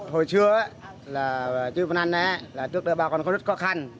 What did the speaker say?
hồi trước chiếu brand trước đó bà còn rất khó khăn